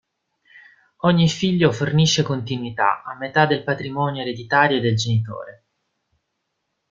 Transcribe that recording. Ogni figlio fornisce continuità a metà del patrimonio ereditario del genitore.